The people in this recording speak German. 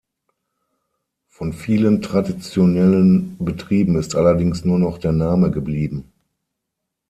Von vielen traditionellen Betrieben ist allerdings nur noch der Name geblieben.